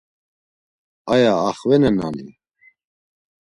Aya axvenenani?